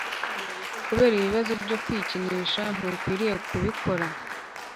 kubera ibibazo cyo kwikinisha ntukwiriye kubikora